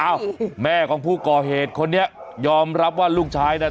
แม่ของผู้ก่อเหตุคนนี้ยอมรับว่าลูกชายน่ะ